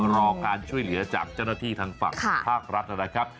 รอการช่วยเหลือจากเจ้าหน้าที่ทางฝั่งภาครัฐนะครับ